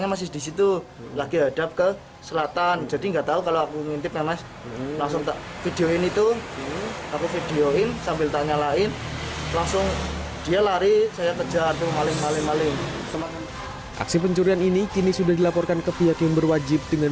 aksi pencurian ini kini sudah dilaporkan ke biaya kesehatan